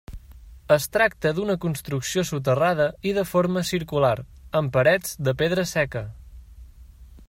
Es tracta d'una construcció soterrada i de forma circular, amb parets de pedra seca.